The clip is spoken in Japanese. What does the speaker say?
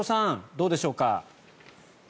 どうでしょうか。